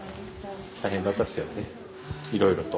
大変だったですよねいろいろと。